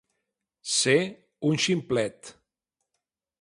Ser un ximplet.